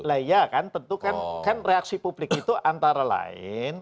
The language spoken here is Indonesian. lah ya kan tentu kan reaksi publik itu antara lain